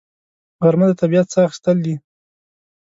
غرمه د طبیعت ساه اخیستل دي